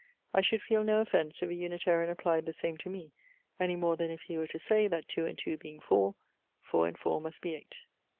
I should feel no offence if a Unitarian applied the same to me, any more than if he were to say, that two and two being four, four and four must be eight.